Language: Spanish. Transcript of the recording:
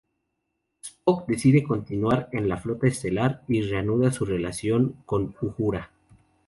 Spock decide continuar en la Flota Estelar y reanuda su relación con Uhura.